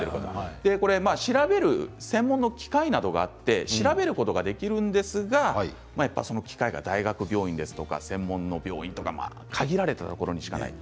それを調べる専門の機械などがあって調べることができるんですがやっぱり機械が大学病院ですとか専門の病院とか限られたところにしかない。